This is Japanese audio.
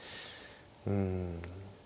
うん。